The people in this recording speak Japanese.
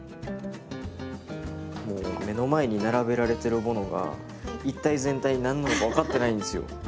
もう目の前に並べられてるものが一体全体何なのか分かってないんですよ。